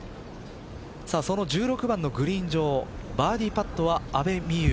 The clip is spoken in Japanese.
その１６番のグリーン上バーディーパットは阿部未悠。